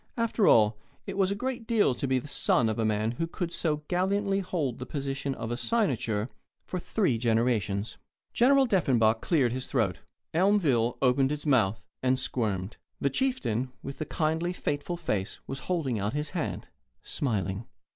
After all, it was a great deal to be a son of a man who could so gallantly hold the position of a cynosure for three generations. General Deffenbaugh cleared his throat. Elmville opened its mouth, and squirmed. The chieftain with the kindly, fateful face was holding out his hand, smiling.